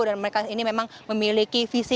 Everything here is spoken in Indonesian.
dan mereka ini memang memiliki visi